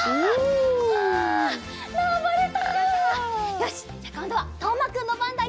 よしじゃあこんどはとうまくんのばんだよ！